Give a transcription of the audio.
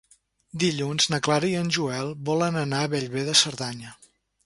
Dilluns na Clara i en Joel volen anar a Bellver de Cerdanya.